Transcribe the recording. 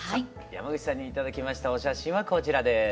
山口さんに頂きましたお写真はこちらです。